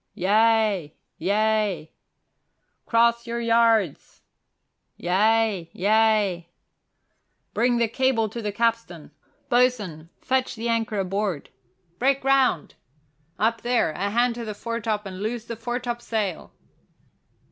"Yea, yea!" "Cross your yards!" "Yea, yea!" "Bring the cable to the capstan Boatswain, fetch the anchor aboard! Break ground! Up there, a hand to the foretop and loose the foretopsail!"